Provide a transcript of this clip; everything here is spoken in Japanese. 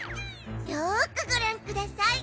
よくご覧ください。